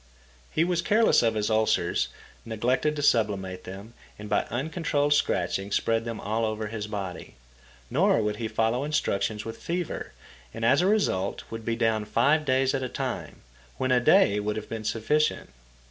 He was careless of his ulcers, neglected to sublimate them, and by uncontrolled scratching spread them all over his body. Nor would he follow instructions with fever, and, as a result, would be down five days at a time, when a day would have been sufficient.